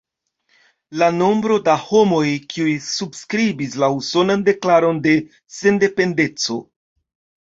La nombro da homoj kiuj subskribis la Usonan Deklaron de Sendependeco.